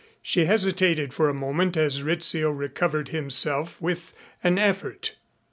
She hesitated for a moment as Rizzio recovered himself with an effort.